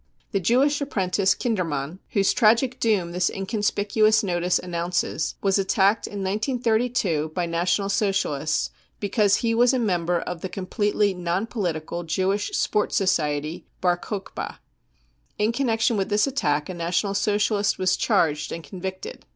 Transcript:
The Jewish apprentice Kindermann, whose " tragic doom " this inconspicuous notice announces, was attacked in 1932 by National Socialists, because he was a member of the completely non political Jewish Sports Society " Bar Kochba." In connection with this attack a National Socialist was charged and convicted.